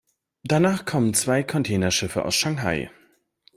Danach kommen zwei Containerschiffe aus Shanghai.